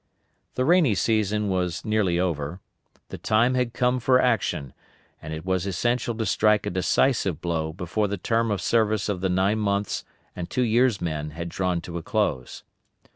The rainy season was nearly over, the time had come for action, and it was essential to strike a decisive blow before the term of service of the nine months' and two years' men had drawn to a close.